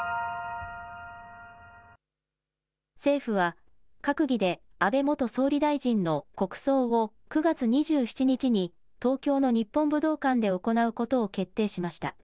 政府は閣議で安倍元総理大臣の国葬を９月２７日に東京の日本武道館で行うことを決定しました。